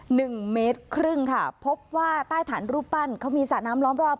หนึ่งเมตรครึ่งค่ะพบว่าใต้ฐานรูปปั้นเขามีสระน้ำล้อมรอบ